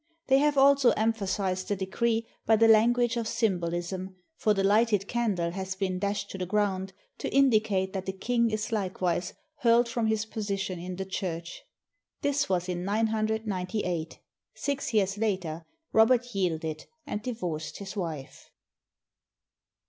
They have also emphasized the decree by the language of symbolism, for the lighted candle has been dashed to the ground to indicate that the king is likewise hurled from his position in the Church. This was in 998. Six years later, Robert yielded, and divorced his wife.